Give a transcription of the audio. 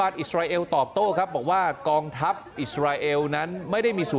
ภาพที่คุณผู้ชมเห็นอยู่นี้ครับเป็นเหตุการณ์ที่เกิดขึ้นทางประธานภายในของอิสราเอลขอภายในของปาเลสไตล์นะครับ